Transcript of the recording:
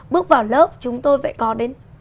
bước vào lớp chúng tôi phải có đến